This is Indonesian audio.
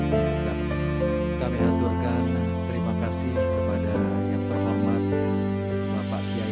dan kami aturkan terima kasih kepada yang terhormat bapak kiai pak al kamil